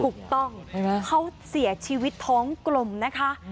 ถูกต้องเขาเสียชีวิตท้องกลมนะคะ